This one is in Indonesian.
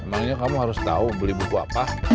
emangnya kamu harus tahu beli buku apa